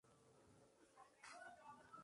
Este estimador tiene en cuenta la censura.